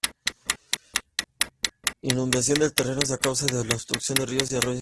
Inundación de terrenos a causa de la obstrucción de los ríos y arroyos.